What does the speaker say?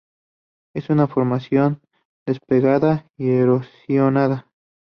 Es una formación desgastada y erosionada.